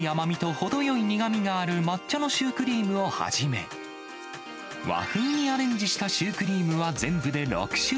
奥深い甘みと程よい苦みがある抹茶のシュークリームをはじめ、和風にアレンジしたシュークリームは全部で６種類。